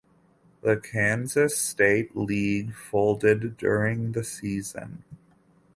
The Kansas State League folded during the season.